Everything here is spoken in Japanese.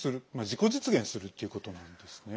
自己実現するっていうことなんですね。